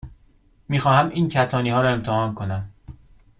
می خواهم این کتانی ها را امتحان کنم.